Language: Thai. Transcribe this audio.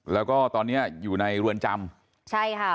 แล้วก็ตอนนี้อยู่ในเรือนจำ